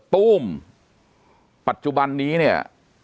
ตู้มปัจจุบันนี้เนี่ย